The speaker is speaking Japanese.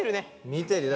見てるよ。